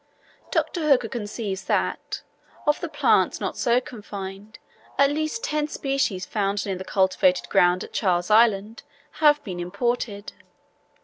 Dr. Hooker conceives that, of the plants not so confined, at least 10 species found near the cultivated ground at Charles Island, have been imported.